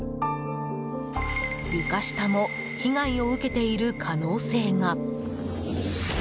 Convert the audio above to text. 床下も被害を受けている可能性が。